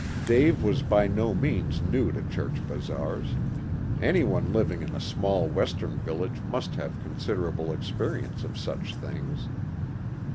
Dave was by no means new to church bazaars. Any one living in a small western village must have considerable experience of such things.